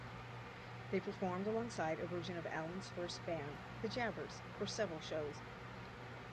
They performed alongside a version of Allin's first band, The Jabbers, for several shows.